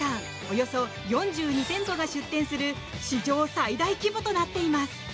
およそ４２店舗が出店する史上最大規模となっています。